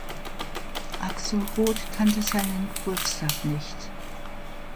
Axelrod kannte seinen Geburtstag nicht.